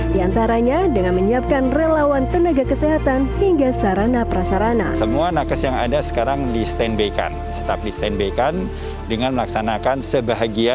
di antaranya dengan menyiapkan relawan tenaga kesehatan hingga sarana prasarana